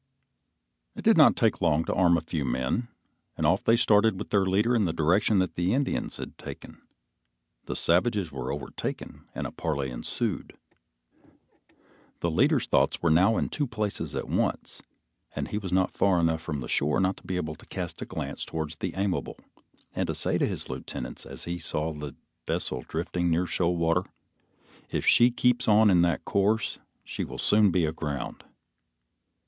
It did not take long to arm a few men, and off they started with their leader in the direction that the Indians had taken. The savages were overtaken and a parley ensued. The leader's thoughts were now in two places at once, and he was not far enough from the shore not to be able to cast a glance towards the Aimable, and to say to his lieutenants, as he saw the vessel drifting near shoal water, "If she keeps on in that course, she will soon be aground."